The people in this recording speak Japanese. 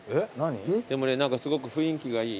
でもね何かすごく雰囲気がいい。